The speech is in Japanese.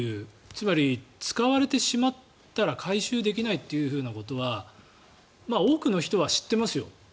つまり使われてしまったら回収できないということは多くの人は知っていますよ。